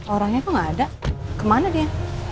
orangnya kemana dia